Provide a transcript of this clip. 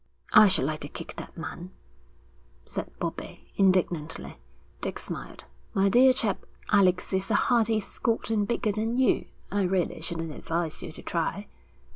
'I should like to kick that man,' said Bobbie, indignantly. Dick smiled. 'My dear chap, Alec is a hardy Scot and bigger than you; I really shouldn't advise you to try.'